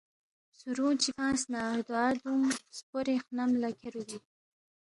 سرونگ چک فنگسنہ ردوا دونگ سپورے خنم لا کھیروگی،